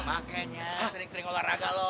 makanya sering sering olahraga loh